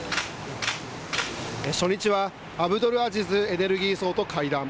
初日は、アブドルアジズエネルギー相と会談。